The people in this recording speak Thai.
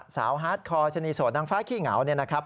ฮาร์ดคอร์ชะนีโสดนางฟ้าขี้เหงาเนี่ยนะครับ